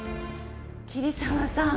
桐沢さん。